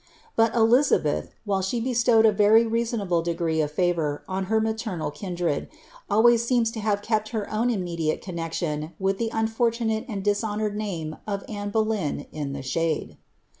But Elizabeth, while she bestowed a very reasonable degree of favour on her maternal kindred, always seems to have kept her own immediate connexion with the un foriunaie and dishonoured name of AnneT5oleyn in ihe shade.